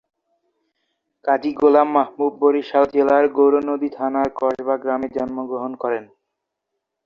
কাজী গোলাম মাহবুব বরিশাল জেলার গৌরনদী থানার কসবা গ্রামে জন্মগ্রহণ করেন।